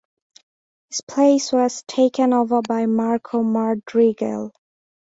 His place was taken over by Marco Madrigal.